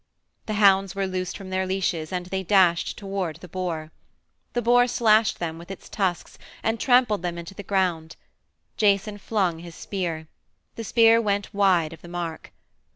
The hounds were loosed from their leashes and they dashed toward the boar. The boar slashed them with its tusks and trampled them into the ground. Jason flung his spear. The spear went wide of the mark.